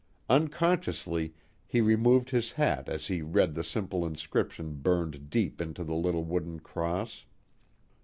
Unconsciously he removed his hat as he read the simple inscription burned deep into the little wooden cross.